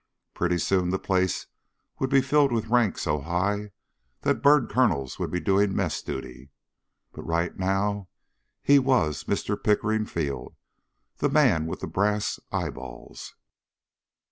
Pretty soon the place would be filled with rank so high that the bird colonels would be doing mess duty. But right now, he was Mr. Pickering Field, the Man with the Brass Eyeballs.